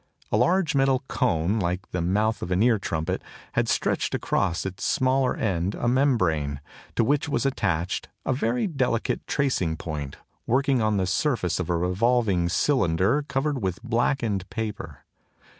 A large metal cone like the mouth of an ear trumpet had stretched across its smaller end a membrane, to which was attached a very delicate tracing point working on the surface of a revolving cylinder covered with blackened paper.